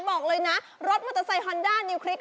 บอกเลยนะรถมอเตอร์ไซค์ฮอนด้านิวคลิก